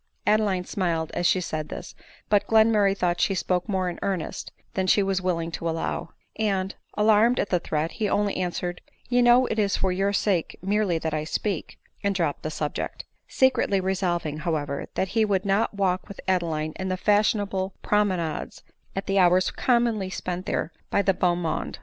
Adeline smiled as she said this; but Glenmurray thought she spoke more in earnest than she was willing to allow; and, alarmed at the threat, he only answered, " You know it is for your sake merely that I speak," and dropped the subject; secretly resolving, however, that he would not walk with Adeline in the fashionable pro menades, at the hours commonly spent there by the beau monde.